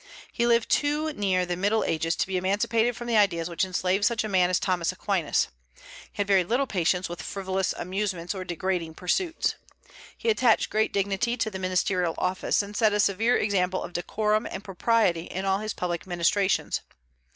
He lived too near the Middle Ages to be emancipated from the ideas which enslaved such a man as Thomas Aquinas. He had very little patience with frivolous amusements or degrading pursuits. He attached great dignity to the ministerial office, and set a severe example of decorum and propriety in all his public ministrations.